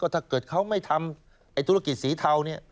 ถ้าเกิดเขาไม่ทำธุรกิจสีเทาเนี่ย